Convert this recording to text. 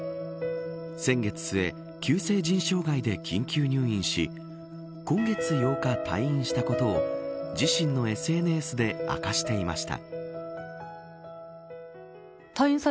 先月末急性腎障害で緊急入院し今月８日、退院したことを自身のＳＮＳで明かしていました。